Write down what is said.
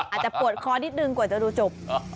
อาจจะปวดคอนิดนึงกว่าจะดูจบ